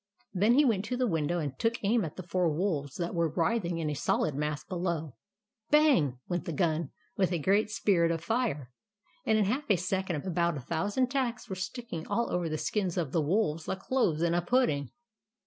Then he went to the window and took aim at the four wolves that were writhing in a solid mass below. " Bang !" went the gun, with a great spirt of fire ; and in half a second about a thou sand tacks were sticking all over the skins of the wolves, like cloves in a pudding.